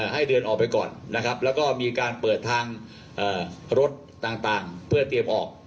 ให้เดินออกไปก่อนนะครับแล้วก็มีการเปิดทางรถต่างเพื่อเตรียมออก